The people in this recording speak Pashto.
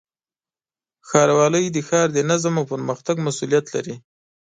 ښاروالۍ د ښار د نظم او پرمختګ مسؤلیت لري.